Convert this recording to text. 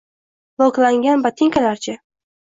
Loklangan botinkalaring-chi